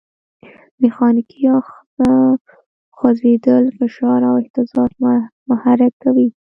میخانیکي آخذه خوځېدل، فشار او اهتزاز محرک کوي.